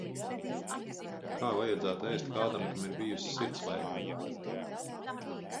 Kā vajadzētu ēst kādam, kam ir bijusi sirdslēkme?